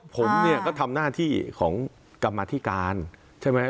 ผมเนี่ยก็ทำหน้าที่ของกรรมธิการใช่ไหม